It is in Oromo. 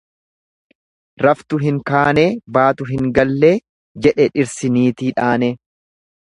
Raftu hin kaanee baatu hin gallee jedhe dhirsi niitii dhaanee.